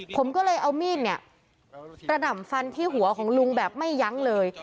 ผมก็เลยเอามีดเนี่ยกระหน่ำฟันที่หัวของลุงแบบไม่ยั้งเลย